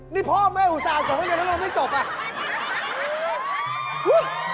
นี่พ่อไม่อุตส่าห์ส่วนใหญ่ทั้งโลกไม่จบ